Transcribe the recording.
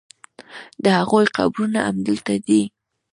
د هغوی قبرونه همدلته دي.